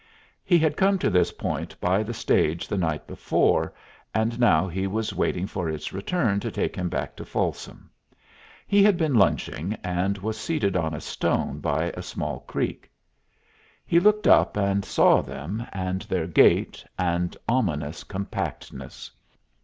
He had come to this point by the stage the night before, and now he was waiting for its return to take him back to Folsom. He had been lunching, and was seated on a stone by a small creek. He looked up and saw them, and their gait, and ominous compactness.